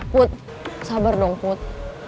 put sabar dong put